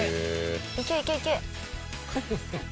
いけいけいけ！